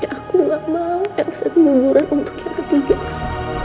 aku tidak mahal elsa keguguran untuk kita tinggalkan